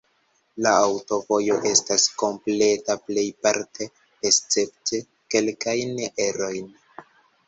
La aŭtovojo estas kompleta plejparte, escepte kelkajn erojn.